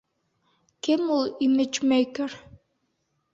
Кем ул имиджмейкер?